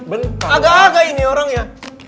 bentar agak agak ini orangnya